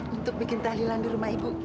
untuk bikin tahlilan di rumah ibu